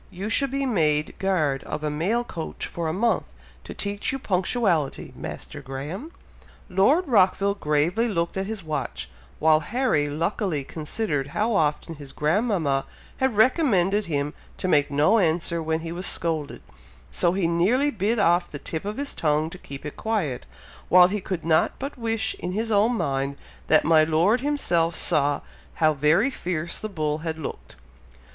you should be made guard of a mail coach for a month, to teach you punctuality, Master Graham." Lord Rockville gravely looked at his watch, while Harry luckily considered how often his grandmama had recommended him to make no answer when he was scolded, so he nearly bit off the tip of his tongue to keep it quiet, while he could not but wish, in his own mind, that my Lord himself saw how very fierce the bull had looked.